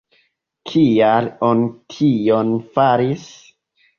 Kial oni tion faris?